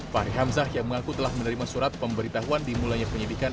fahri hamzah yang mengaku telah menerima surat pemberitahuan dimulainya penyidikan